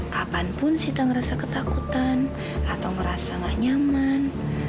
kapanpun sita ngerasa ketakutan atau ngerasa gak nyaman